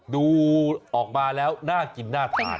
ดูออกมาแล้วน่ากินน่าทาน